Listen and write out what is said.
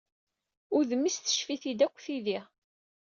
Udem-is teccef-it-id akk tidi.